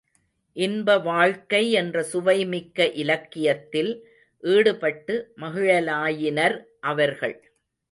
இன்ப வாழ்க்கை என்ற சுவைமிக்க இலக்கியத்தில் ஈடுபட்டு மகிழலாயினர் அவர்கள்.